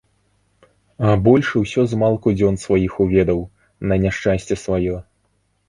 А большы ўсё змалку дзён сваіх уведаў, на няшчасце сваё.